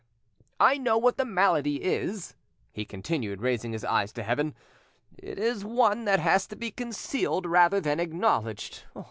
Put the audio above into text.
"I know what the malady is," he continued, raising his eyes to heaven; "it is one that has to be concealed rather than acknowledged.